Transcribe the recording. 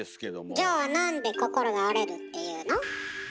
じゃあなんで心が折れるって言うの？